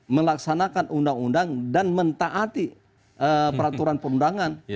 melaksanakan undang undang dan mentaati peraturan perundangan